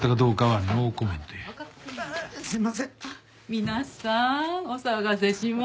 皆さんお騒がせしました。